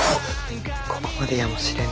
ここまでやもしれぬ。